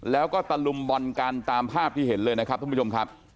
แล้วก็ตะลุมบอลกันตามภาพที่เห็นเลยนะครับท่านผู้ชมครับ